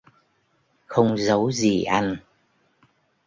Không giấu gì anh